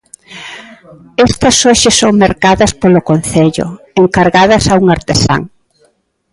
Estas hoxe son mercadas polo concello, encargadas a un artesán.